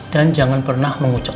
dan jangan pernah mengucuk mata